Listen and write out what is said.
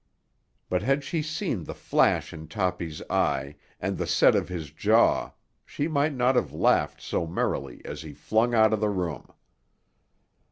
But had she seen the flash in Toppy's eye and the set of his jaw she might not have laughed so merrily as he flung out of the room.